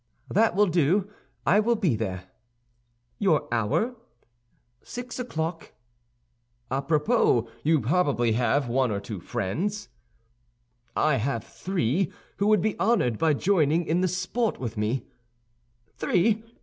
"That will do; I will be there." "Your hour?" "Six o'clock." "A propos, you have probably one or two friends?" "I have three, who would be honored by joining in the sport with me." "Three?